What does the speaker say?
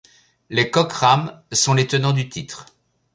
Les Koc Rams sont les tenants du titre.